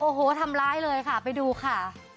โอ้โหทำร้ายเลยค่ะไปดูค่ะ